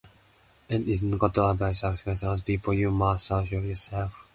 It isn't got at by sacrificing other people. You must sacrifice yourself.